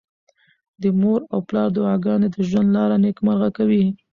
د مور او پلار دعاګانې د ژوند لاره نېکمرغه کوي.